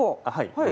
はい。